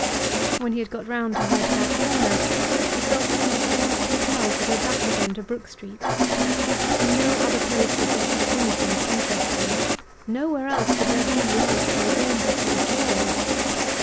When he had got round to Hyde Park Corner, he felt that he was almost compelled to go back again to Brook Street. In no other place could there be anything to interest him; nowhere else could there be light, or warmth, or joy!